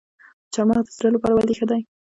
چهارمغز د زړه لپاره ولې ښه دي؟